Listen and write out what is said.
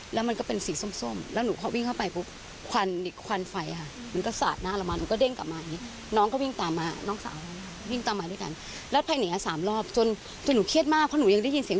แวปแน่ดูหนูเห็นพี่หนูก่อนนั้นนะตอนที่หนูออกมาน้ง